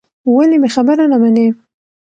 ولې مې خبره نه منې.